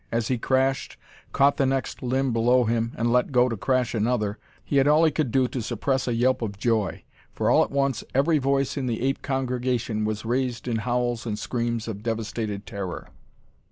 As he crashed, caught the next limb below him, and let go to crash to another, he had all he could do to suppress a yelp of joy. For all at once every voice in the ape congregation was raised in howls and screams of devastated terror.